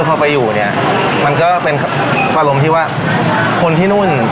พอไปอยู่เนี่ยมันก็เป็นอารมณ์ที่ว่าคนที่นู่น